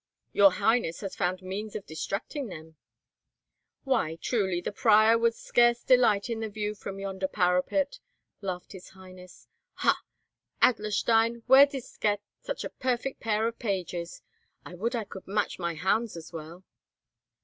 "Your highness has found means of distancing them." "Why, truly, the Prior would scarce delight in the view from yonder parapet," laughed his highness. "Ha! Adlerstein, where didst get such a perfect pair of pages? I would I could match my hounds as well."